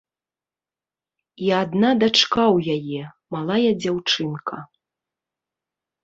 І адна дачка ў яе, малая дзяўчынка.